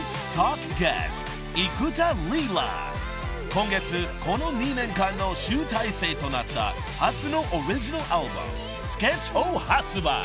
［今月この２年間の集大成となった初のオリジナルアルバム『Ｓｋｅｔｃｈ』を発売］